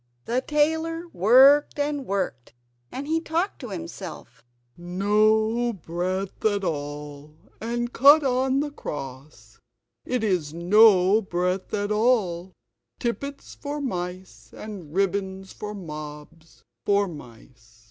The tailor worked and worked, and he talked to himself: "No breadth at all, and cut on the cross; it is no breadth at all; tippets for mice and ribbons for mobs! for mice!"